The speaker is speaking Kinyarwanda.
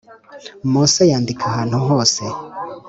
Mose yandika ahantu hose